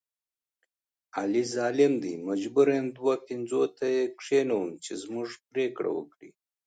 علي ظالم دی مجبوره یم دوه پنځوته یې کېنوم چې زموږ پرېکړه وکړي.